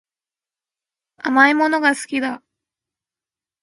甘いものが好きだ